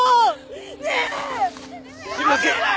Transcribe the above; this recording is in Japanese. すいません